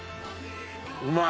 うまい。